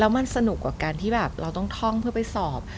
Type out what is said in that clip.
มันสนุกกว่าการที่แบบเราต้องท่องเพื่อไปสอบ